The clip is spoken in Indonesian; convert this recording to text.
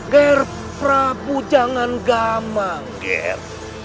ger prabu jangan gamang ger